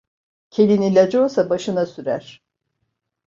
Kelin ilacı olsa başına sürer.